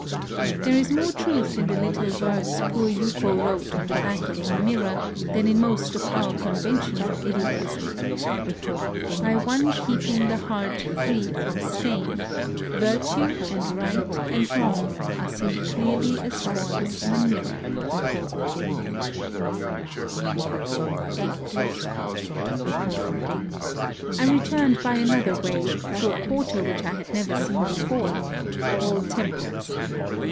There is more truth in the little verse poor Yuko wrote on the back of her mirror than in most of our conventional ideal ism :—" By one heeping the heart free from stain, virtue and right and wrong are seen clearly as forms in a mirror,''^ VIII I returned by another way, through a quar ter which I had never seen before, — all tem ples.